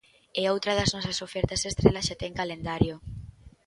E outra das nosas ofertas estrela xa ten calendario.